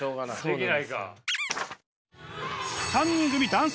できないか。